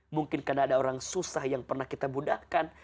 mungkin karena ada orang susah yang pernah kita buddhakan